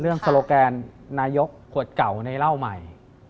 โซโลแกนนายกขวดเก่าในเหล้าใหม่